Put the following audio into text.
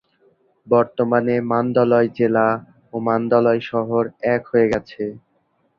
বর্তমানে মান্দালয় জেলা ও মান্দালয় শহর এক হয়ে গেছে।